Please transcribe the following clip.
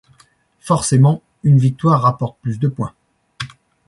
Forcément, une victoire rapporte plus de points.